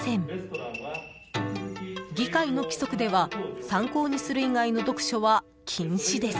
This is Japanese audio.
［議会の規則では参考にする以外の読書は禁止です］